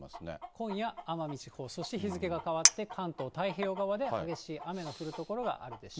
今夜、奄美地方、そして日付が変わって、関東、太平洋側で激しい雨の降る所があるでしょう。